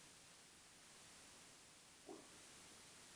Stage one cancer کی تشخیص ہوئی ہے۔